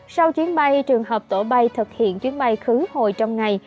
sau chuyến bay trường hợp tổ bay thực hiện chuyến bay khứ hồi trong ngày